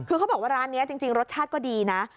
คือเขาบอกว่าร้านนี้จริงรสชาติก็ดีนะ